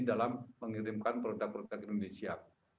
dalam mengirimkan produk produk indonesia